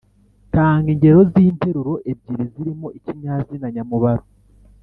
tanga ingero z’interuro ebyiri zirimo ikinyazina nyamubaro